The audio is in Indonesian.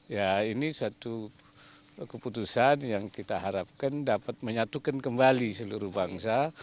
ya ini satu keputusan yang kita harapkan dapat menyatukan kembali seluruh bangsa